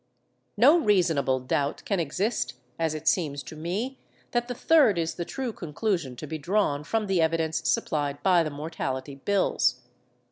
No reasonable doubt can exist, as it seems to me, that the third is the true conclusion to be drawn from the evidence supplied by the mortality bills.